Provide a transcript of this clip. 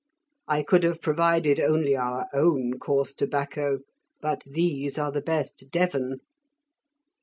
I could have provided only our own coarse tobacco; but these are the best Devon."